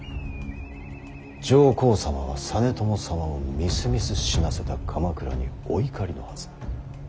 上皇様は実朝様をみすみす死なせた鎌倉にお怒りのはず。